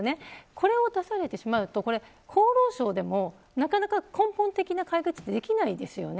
これを出されてしまうと厚労省でも、なかなか根本的な解決ってできないですよね。